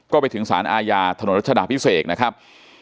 ก็ไปถึงศาลอายารัชฎาพิเศษนะครับ